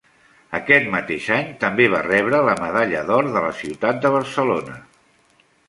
Aquest mateix any també va rebre la medalla d'or de la ciutat de Barcelona.